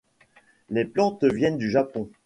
Les plantes viennent du Japon.